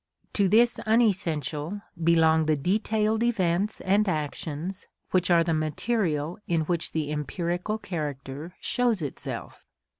To this unessential belong the detailed events and actions which are the material in which the empirical character shows itself.